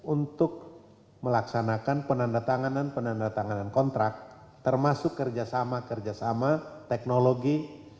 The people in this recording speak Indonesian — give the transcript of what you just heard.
untuk melaksanakan penandatanganan penandatanganan kontrak termasuk kerjasama kerjasama teknologi